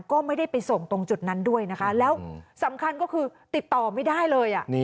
ก็ไม่ได้ไปส่งตรงจุดนั้นด้วยนะคะแล้วสำคัญก็คือติดต่อไม่ได้เลย